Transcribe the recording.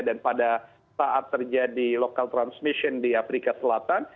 dan pada saat terjadi local transmission di afrika selatan